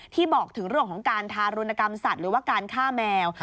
บอกถึงเรื่องของการทารุณกรรมสัตว์หรือว่าการฆ่าแมว